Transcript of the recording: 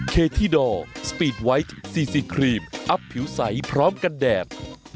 เคที่ดอร์สปีดไวท์ซีซีครีมอัพผิวใสพร้อมกันแดด